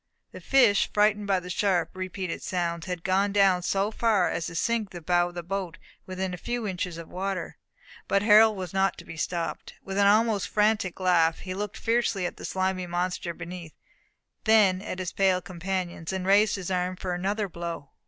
The fish, frightened by the sharp repeated sounds, had gone down so far as to sink the bow of the boat within a few inches of the water. But Harold was not to be stopped. With an almost frantic laugh, he looked fiercely at the slimy monster beneath, then at his pale companions, and raised his arm for another blow.